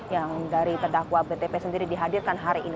yang dari terdakwa btp sendiri dihadirkan hari ini